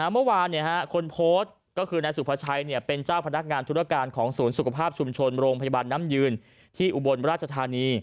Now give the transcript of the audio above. เมื่อวานคนโพสต์ก็คือนายสุภาชัยเป็นเจ้าพนักงานธุรการของศูนย์สุขภาพชุมชนโรงพยาบาลน้ำยืนที่อุบลราชธานี